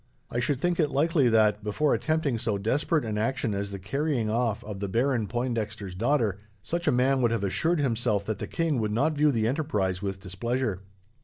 I should think it likely that, before attempting so desperate an action as the carrying off of the Baron Pointdexter's daughter, such a man would have assured himself that the king would not view the enterprise with displeasure.